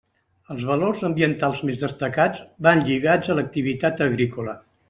Els valors ambientals més destacats van lligats a l'activitat agrícola.